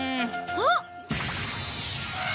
あっ！